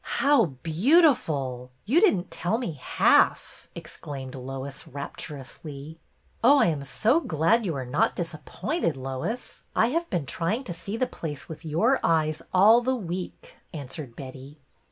''How beautiful! You didn't tell me half," exclaimed Lois, rapturously. " Oh, I am so glad you are not disappointed, Lois. I have been trying to see the place with your eyes all the week," answered Betty.